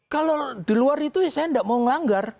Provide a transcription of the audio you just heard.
kalau di luar itu saya tidak mau melanggar